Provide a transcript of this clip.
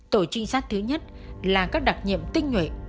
tổ trinh sát thứ nhất là các đặc nhiệm tinh nhuệ